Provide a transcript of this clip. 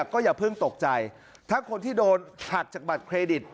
ก็อย่าเพิ่งตกใจถ้าคนที่โดนหักจากบัตรเครดิต